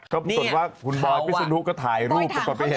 เขาตัดว่าพี่สุนุกก็ถ่ายรูปก่อไปเห็นข้างหลัง